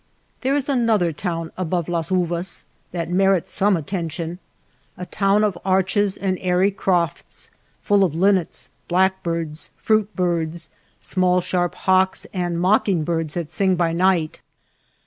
There is another town above Las Uvas /that merits some attention, a town of arches <^ and airy crofts, full of linnets, blackbirds, y fruit bird&, small sharp hawks, and mock ingbirds that sing by night.